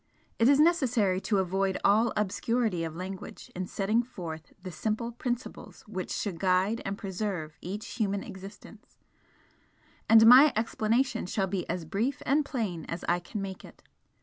It is necessary to avoid all obscurity of language in setting forth the simple principles which should guide and preserve each human existence, and my explanation shall be as brief and plain as I can make it.